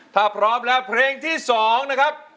ถ้าพร้อมแล้วเพลงที่๒นะครับ